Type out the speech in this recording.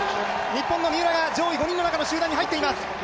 日本の三浦が上位５人の集団に入っています。